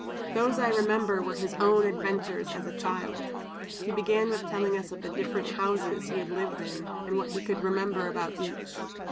Those I remember were his own adventures, as a child. He began with telling us of the different houses he had lived in, and what he could remember about each.